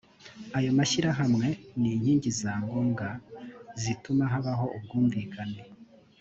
ayo mashyirahamwe ni inkingi za ngombwa zituma habaho ubwumvikane